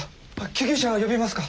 救急車呼びますか？